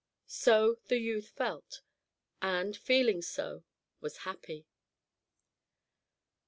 So the youth felt, and, feeling so, was happy.